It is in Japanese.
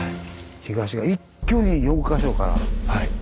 東側一挙に４か所から。